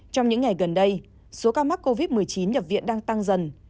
trong những ngày gần đây số ca mắc covid một mươi chín nhập viện đang tăng dần